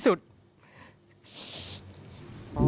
อยู่ดีมาตายแบบเปลือยคาห้องน้ำได้ยังไง